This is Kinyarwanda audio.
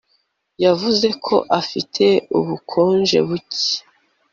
yavuze ko afite ubukonje buke